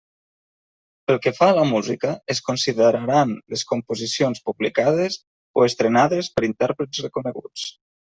Pel que fa a la música, es consideraran les composicions publicades o estrenades per intèrprets reconeguts.